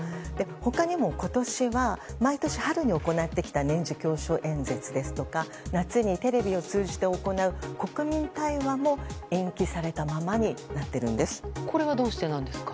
他にも今年は毎年春に行ってきた年次教書演説ですとか夏にテレビを通じて行う国民対話もこれはどうしてなんですか？